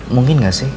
mungkin gak sih